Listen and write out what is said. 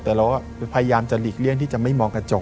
แต่เราก็พยายามจะหลีกเลี่ยงที่จะไม่มองกระจก